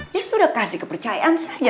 ya sudah kasih kepercayaan saya